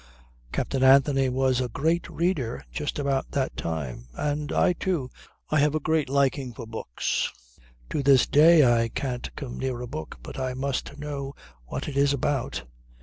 Captain Anthony was a great reader just about that time; and I, too, I have a great liking for books. To this day I can't come near a book but I must know what it is about.